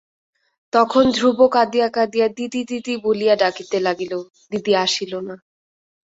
তখন ধ্রুব কাঁদিয়া কাঁদিয়া দিদি দিদি বলিয়া ডাকিতে লাগিল, দিদি আসিল না।